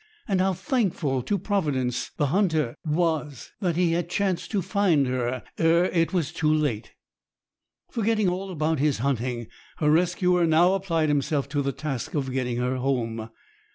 And how thankful to Providence the hunter was that he had chanced to find her ere it was too late! Forgetting all about his hunting, her rescuer now applied himself to the task of getting her home.